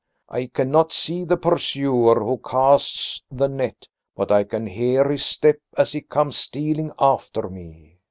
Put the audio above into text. I cannot see the pursuer who casts the net, but I can hear his step as he comes stealing after me."